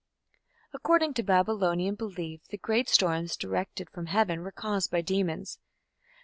According to Babylonian belief, "the great storms directed from heaven" were caused by demons.